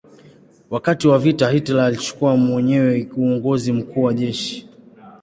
Wakati wa vita Hitler alichukua mwenyewe uongozi mkuu wa jeshi.